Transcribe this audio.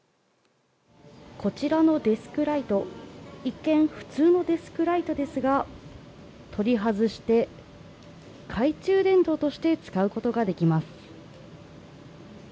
こちらのデスクライト一見、普通のデスクライトですが取り外して懐中電灯として使うことができます。